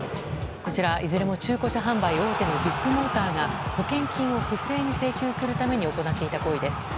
こちらいずれも中古車販売大手のビッグモーターが保険金を不正に請求するために行っていた行為です。